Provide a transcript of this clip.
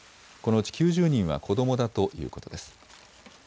このうち９０人は子どもだということです。